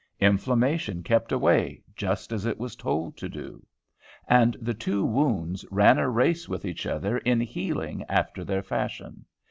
Inflammation kept away just as it was told to do. And the two wounds ran a race with each other in healing after their fashion.